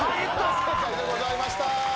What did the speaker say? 正解でございました。